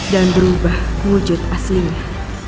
dan berubah wujud aslinya